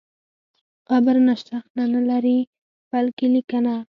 قبر نه شنخته لري نه بله لیکنه.